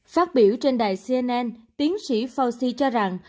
phát biểu trên đài cnn tiến sĩ fauci cho rằng